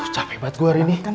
capek buat gue hari ini